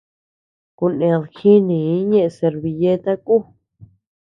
Kuned jinii ñeʼe servilleta ku.